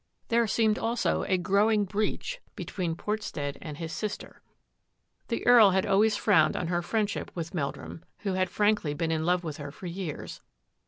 There seemed also ing breach between Portstead and his sistc The Earl had always frowned on her f ri with Meldrum, who had frankly been in lo\ her for years.